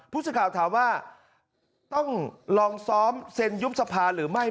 ผู้สื่อข่าวถามว่าต้องลองซ้อมเซ็นยุบสภาหรือไม่